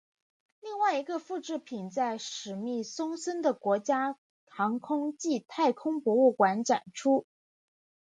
另外一个复制品在史密松森的国家航空暨太空博物馆展出。